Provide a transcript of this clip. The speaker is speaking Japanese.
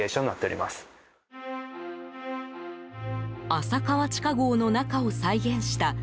浅川地下壕の中を再現した